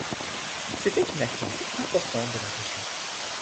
C'était une activité importante de la région.